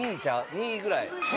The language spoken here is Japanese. ２位ぐらい。